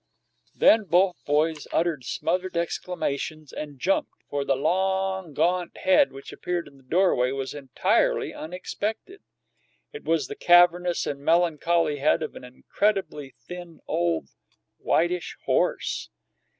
Then both boys uttered smothered exclamations and jumped, for the long, gaunt head which appeared in the doorway was entirely unexpected. It was the cavernous and melancholy head of an incredibly thin, old, whitish horse.